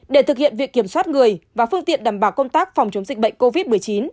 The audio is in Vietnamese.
để thực hiện việc kiểm soát người và phương tiện đảm bảo công tác phòng chống dịch bệnh covid một mươi chín